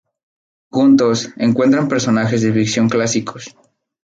Juntos, encuentran personajes de ficción clásicos.